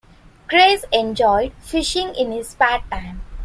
Craze enjoyed fishing in his spare time.